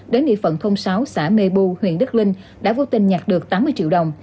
đến địa phận thôn sáu xã mê bu huyện đức linh đã vô tình nhặt được tám mươi triệu đồng